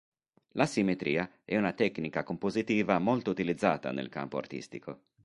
La simmetria è una tecnica compositiva molto utilizzata nel campo artistico.